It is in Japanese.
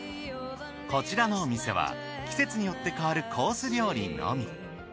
こちらのお店は季節によって変わるコース料理のみ。